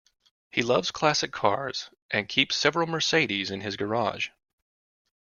He loves classic cars, and keeps several Mercedes in his garage